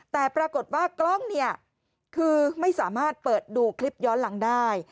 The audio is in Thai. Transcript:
แต่ปรากฏว่ากล้องเนี่ยคือไม่สามารถเปิดดูคลิปย้อนหลังได้